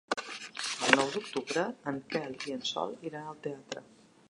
El nou d'octubre en Quel i en Sol iran al teatre.